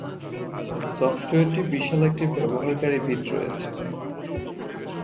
সফটওয়্যারটি বিশাল একটি ব্যবহারকারী ভিত রয়েছে।